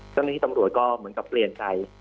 เจ้าหน้าที่ตำรวจก็เหมือนกับเปลี่ยนใจ